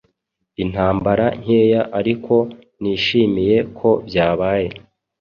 Intambara nkeya ariko nishimiye ko byabaye